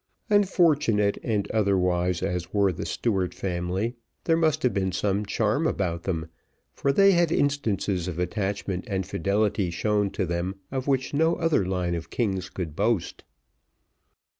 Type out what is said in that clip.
Unfortunate and unwise as were the Stuart family, there must have been some charm about them, for they had instances of attachment and fidelity shown to them, of which no other line of kings could boast.